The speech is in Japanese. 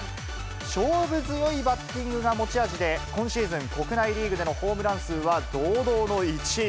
勝負強いバッティングが持ち味で、今シーズン、国内リーグでのホームラン数は堂々の１位。